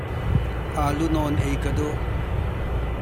Aalu nawn ei ka duh.